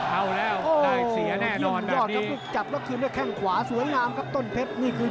เอ้าแล้วโหได้เสียแน่นอนแบบนี้